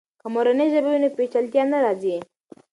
که مورنۍ ژبه وي، نو پیچلتیا نه راځي.